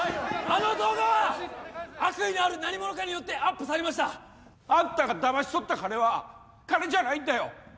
あの動画は悪意のある何者かによってアップされましたあんたがだまし取った金は金じゃないんだよ